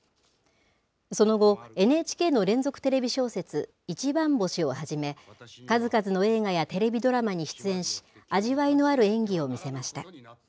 その後、ＮＨＫの連続テレビ小説、いちばん星をはじめ、数々の映画やテレビドラマに出演し、味わいのある演技を見せました。